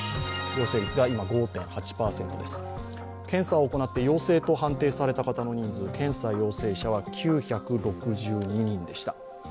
検査を行って陽性と判定された方の人数検査陽性者は９６２人でした。